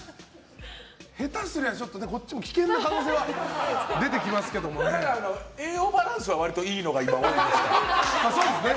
下手すりゃこっちも危険な可能性は栄養バランスは割といいのが今、多いですからね。